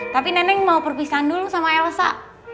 tapi neneng mau perpisahan dulu sama elsa